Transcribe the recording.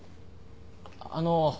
あの。